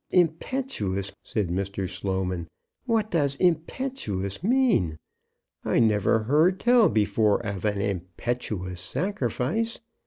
"Impetuous!" said Mr. Sloman. "What does 'impetuous' mean? I never heard tell before of an impetuous sacrifice.